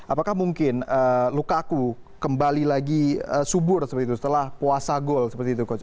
apakah mungkin lukaku kembali lagi subur seperti itu setelah puasa gol seperti itu coach